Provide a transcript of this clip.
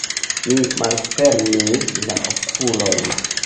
Mi malfermis la okulojn.